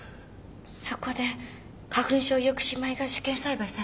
そこで花粉症抑止米が試験栽培されていたと？